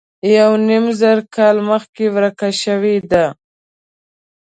یو نیم زر کاله مخکې ورکه شوې ده.